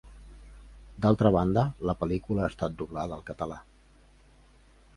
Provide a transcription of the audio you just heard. D'altra banda, la pel·lícula ha estat doblada al català.